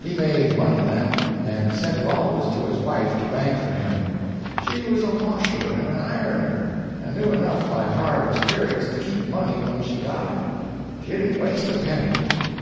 He made money then, and sent it always to his wife to bank for him. She was a washer and ironer, and knew enough by hard experience to keep money when she got it. She didn't waste a penny.